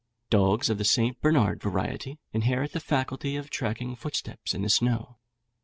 Dogs of the St. Bernard variety inherit the faculty of tracking footsteps in the snow.